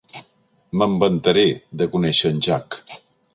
Me'n vantaré, de conèixer en Jack.